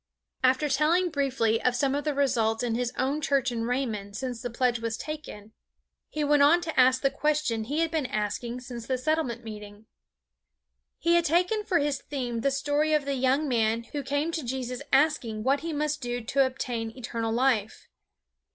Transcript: After telling briefly of some results in his own church in Raymond since the pledge was taken, he went on to ask the question he had been asking since the Settlement meeting. He had taken for his theme the story of the young man who came to Jesus asking what he must do to obtain eternal life.